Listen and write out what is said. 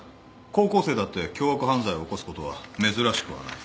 高校生だって凶悪犯罪を起こすことは珍しくはない。